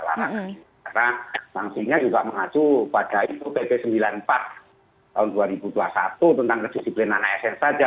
karena pangsinya juga mengacu pada itu pp sembilan puluh empat tahun dua ribu dua puluh satu tentang kedisiplinan asn saja